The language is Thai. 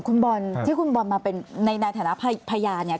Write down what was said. คุณบอลที่คุณบอลมาเป็นในฐานะพยานเนี่ย